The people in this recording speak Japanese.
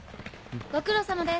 ご苦労さまです。